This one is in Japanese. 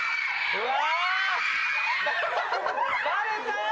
うわ！